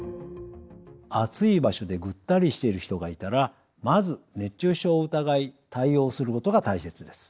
暑い場所でぐったりしている人がいたらまず熱中症を疑い対応することが大切です。